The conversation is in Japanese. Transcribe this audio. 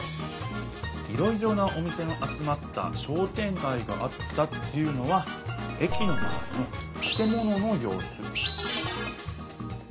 「いろいろなお店の集まった『商店がい』があった」っていうのは駅のまわりのたて物のようす。